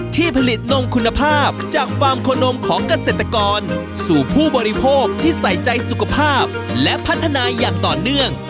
ที่ผลิตนมคุณภาพจากฟาร์มโคนมของเกษตรกรสู่ผู้บริโภคที่ใส่ใจสุขภาพและพัฒนาอย่างต่อเนื่อง